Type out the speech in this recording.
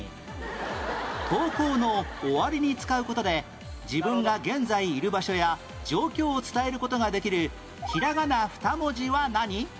投稿の終わりに使う事で自分が現在いる場所や状況を伝える事ができるひらがな２文字は何？